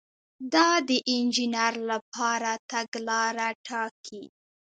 دا د انجینر لپاره تګلاره ټاکي.